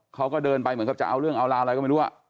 เขาก็เดินไปเหมือนกับจะเอาเรื่องเอาราวอะไรก็ไม่รู้